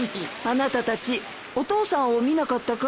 あなたたちお父さんを見なかったかい？